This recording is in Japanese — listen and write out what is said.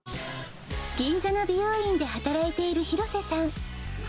銀座の美容院で働いている廣瀬さん。